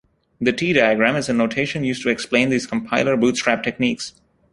The T-diagram is a notation used to explain these compiler bootstrap techniques.